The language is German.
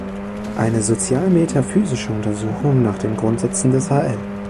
Eine sozial-metaphysische Untersuchung nach den Grundsätzen des hl.